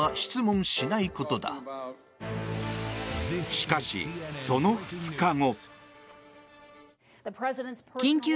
しかし、その２日後。